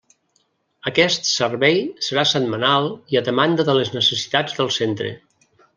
Aquest servei serà setmanal i a demanda de les necessitats del Centre.